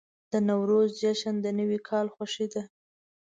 د نوروز جشن د نوي کال خوښي ده.